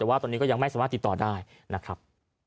แต่ว่าตอนนี้ก็ยังไม่สามารถติดต่อได้นะครับ